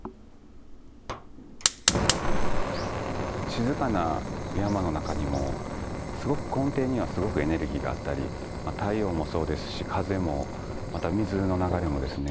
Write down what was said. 静かな山の中にもすごく根底にはすごくエネルギーがあったり太陽もそうですし風もまた水の流れもですね